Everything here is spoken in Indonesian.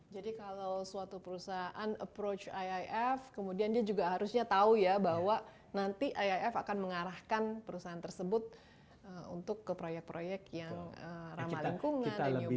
jadi kalau suatu perusahaan approach iif kemudian dia juga harusnya tahu ya bahwa nanti iif akan mengarahkan perusahaan tersebut untuk ke proyek proyek yang ramah lingkungan dan renewable energy